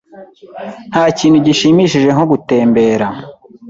Ntakintu gishimishije nko gutembera.